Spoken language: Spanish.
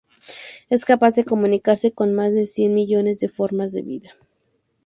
Es capaz de comunicarse con más de cien millones de formas de vida.